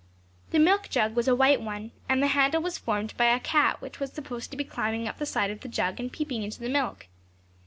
The milk jug was a white one, and the handle was formed by a cat which was supposed to be climbing up the side of the jug and peeping into the milk.